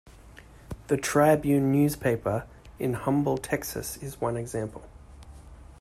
"The Tribune Newspaper" in Humble, Texas is one example.